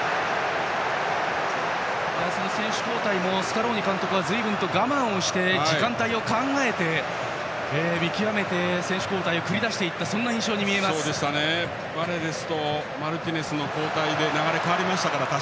フランスの選手交代もスカローニ監督はずいぶんと我慢して時間帯を考えて見極めて選手交代したそんな印象に見えます。